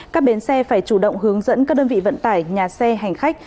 các bến xe phải chủ động hướng dẫn các đơn vị vận tải nhà xe hành khách